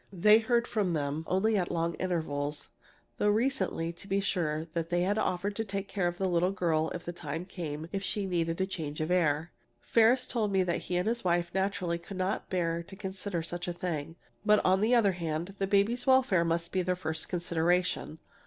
They heard from them only at long intervals, though recently, to be sure, they had offered to take care of the little girl if the time came that she needed change of air. "Ferris told me that he and his wife naturally could not bear to consider such a thing, but on the other hand, the baby's welfare must be their first consideration.